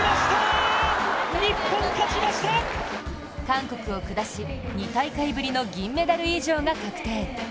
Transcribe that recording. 韓国を下し、２大会ぶりの銀メダル以上が確定。